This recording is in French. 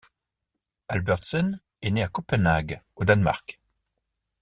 Albertsen est née à Copenhague, au Danemark.